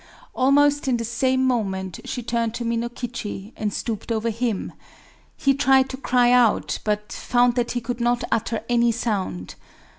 Almost in the same moment she turned to Minokichi, and stooped over him. He tried to cry out, but found that he could not utter any sound.